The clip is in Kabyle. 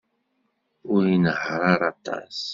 Ur inehheṛ ara aṭas.